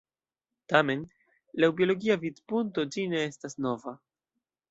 Tamen, laŭ biologia vidpunkto, ĝi ne estas nova.